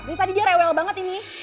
ini tadi dia rewel banget ini